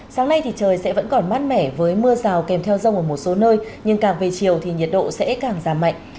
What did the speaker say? sáng nay thì trời sẽ vẫn còn mát mẻ với mưa rào kèm theo rông ở một số nơi nhưng càng về chiều thì nhiệt độ sẽ càng giảm mạnh